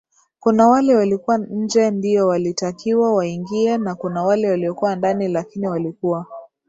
kuna wale walikuwa nje ndiyo walitakiwa waingie na kuna wale waliokuwa ndani lakini walikuwa